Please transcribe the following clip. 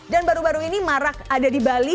dan baru baru ini marak ada di bali